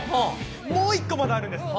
もう一個まだあるんです。